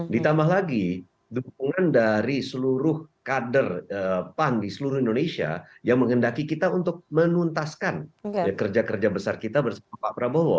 ditambah lagi dukungan dari seluruh kader pan di seluruh indonesia yang menghendaki kita untuk menuntaskan kerja kerja besar kita bersama pak prabowo